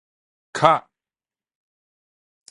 卡